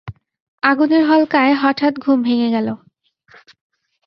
আগুনের হলকায় হঠাৎ ঘুম ভেঙে গেল।